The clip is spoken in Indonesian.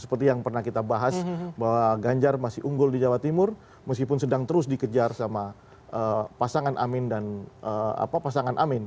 seperti yang pernah kita bahas bahwa ganjar masih unggul di jawa timur meskipun sedang terus dikejar sama pasangan amin dan pasangan amin